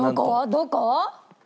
どこ？